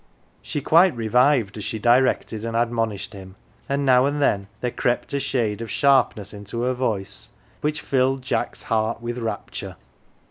She quite revived as she directed and admonished him, and now and then there crept a shade of sharpness into her voice which filled Jack's heart with rapture.